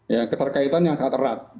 ya keterkaitan yang sangat erat